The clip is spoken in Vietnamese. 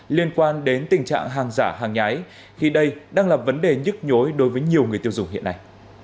liên quan đến tình trạng hàng giả hàng nhái khi đây đang là vấn đề nhức nhối đối với nhiều người tiêu dùng hiện nay